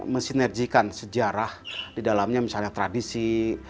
mesinerjikan sejarah di dalamnya misalnya tradisi